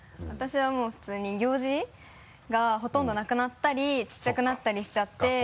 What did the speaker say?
私はもう普通に行事がほとんどなくなったり小さくなったりしちゃって。